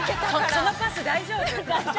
◆そのパス、大丈夫。